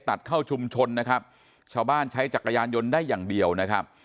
ตัดเข้าชุมชนนะครับชาวบ้านใช้จักรยานยนต์ได้อย่างเดียวนะครับ